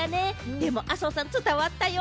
でも麻生さん、伝わったよ。